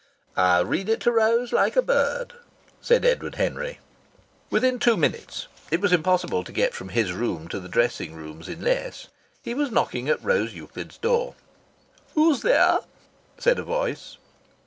"I'll read it to Rose like a bird," said Edward Henry. Within two minutes it was impossible to get from his room to the dressing rooms in less he was knocking at Rose Euclid's door. "Who's there?" said a voice.